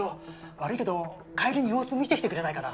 悪いけど帰りに様子見てきてくれないかな。